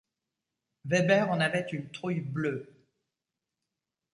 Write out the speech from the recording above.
Weber en avait une trouille bleue.